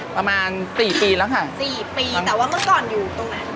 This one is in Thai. ประมาณสี่ปีแล้วค่ะสี่ปีแต่ว่าเมื่อก่อนอยู่ตรงนั้น